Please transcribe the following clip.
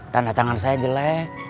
tanda tangan saya jelek